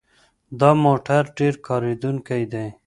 دا موټر ډېر کارېدونکی دی.